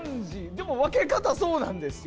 でも、分け方はそうなんですよ。